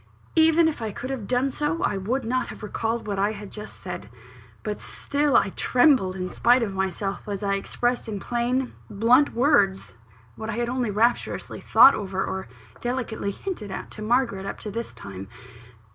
Even if I could have done so, I would not have recalled what I had just said; but still, I trembled in spite of myself as I expressed in plain, blunt words what I had only rapturously thought over, or delicately hinted at to Margaret, up to this time.